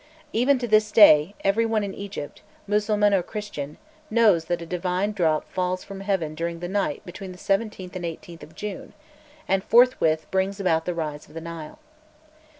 Even to this day, every one in Egypt, Mussulman or Christian, knows that a divine drop falls from heaven during the night between the 17th and 18th of June, and forthwith brings about the rise of the Nile.